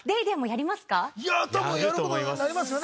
多分やることになりますよね。